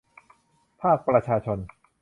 ภาคประชาชน